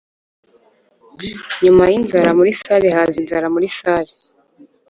nyuma yinzara muri salle haza inzara muri salle